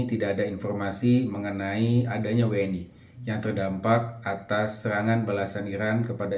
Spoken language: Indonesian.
tidak ada informasi mengenai adanya wni yang terdampak atas serangan belasan iran kepada